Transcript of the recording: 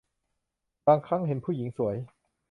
บางครั้งเห็นผู้หญิงสวย